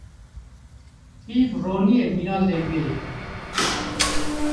Heyv ronî ye mîna lembeyê.